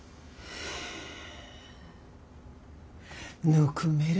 「ぬくめる」